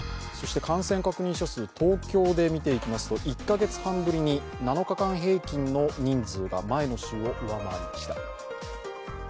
そして感染確認者数東京で見ていきますと１カ月半ぶりに７日間平均の人数が前の週を上回りました。